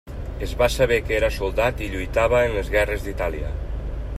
Es va saber que era soldat i lluitava en les guerres d'Itàlia.